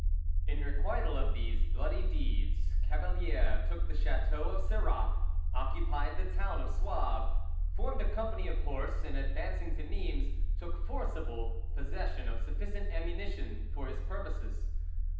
In requital of these bloody deeds, Cavalier took the chateau of Serras, occupied the town of Sauve, formed a company of horse, and advancing to Nimes, took forcible possession of sufficient ammunition for his purposes.